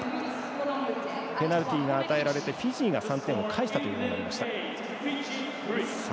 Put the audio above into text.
ペナルティが与えられてフィジーが３点を返したということになりました。